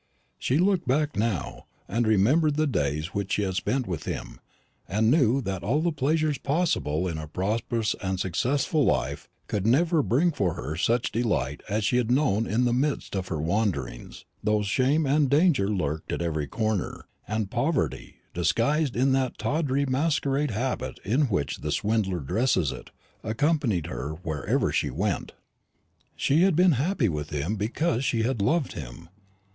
She looked back now, and remembered the days which she had spent with him, and knew that all the pleasures possible in a prosperous and successful life could never bring for her such delight as she had known in the midst of her wanderings; though shame and danger lurked at every corner, and poverty, disguised in that tawdry masquerade habit in which the swindler dresses it, accompanied her wherever she went. She had been happy with him because she had loved him.